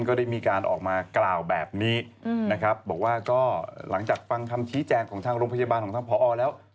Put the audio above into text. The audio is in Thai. ก็ได้มีการออกมากล่าวแบบนี้นะครับบอกว่าก็หลังจากฟังคำชี้แจงของทางโรงพยาบาลของทางพอแล้ว